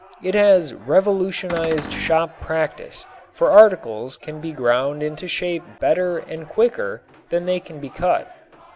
It has revolutionized shop practice, for articles can be ground into shape better and quicker than they can be cut.